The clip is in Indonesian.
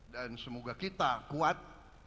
dan semoga kita kuat